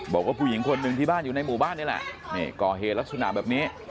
บอกว่าผู้หญิงคนหนึ่งที่บ้านอยู่ในหมู่บ้านนี่แหละนี่ก่อเหตุลักษณะแบบนี้